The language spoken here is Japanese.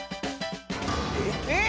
えっ！？